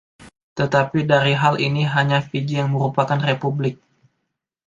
Tetapi dari hal ini, hanya Fiji yang merupakan republik.